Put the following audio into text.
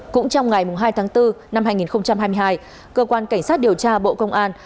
cũng trong ngày hai tháng bốn năm hai nghìn hai mươi hai cơ quan cảnh sát điều tra bộ công an